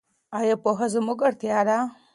ایا پوهه زموږ اړتیا ده؟